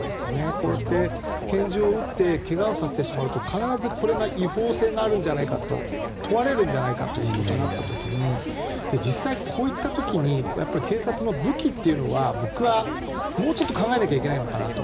こうやって拳銃を撃って怪我をさせてしまうと必ずこれが違法性があるんじゃないかと問われるんじゃないかとなった時に実際、こういった時に警察の武器というのは僕はもうちょっと考えなきゃいけないのかなと。